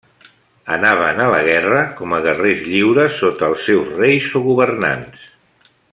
Anaven a la guerra com a guerrers lliures sota els seus reis o governants.